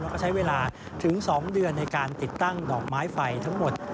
แล้วก็ใช้เวลาถึง๒เดือนในการติดตั้งดอกไม้ไฟทั้งหมด